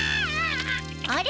あれ？